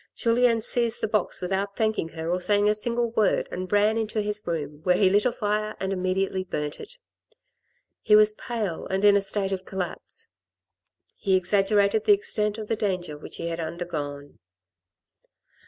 Julien seized the box without thanking her or saying a single word, and ran into his room, where he lit a fire and immediately burnt it. He was pale and in a state of collapse. He exaggerated the extent of the danger which he had undergone.